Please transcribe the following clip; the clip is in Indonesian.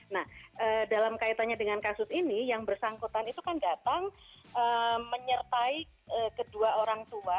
nah dalam kaitannya dengan kasus ini yang bersangkutan itu kan datang menyertai kedua orang tua